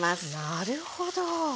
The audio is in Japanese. なるほど！